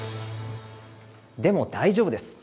でも大丈夫です。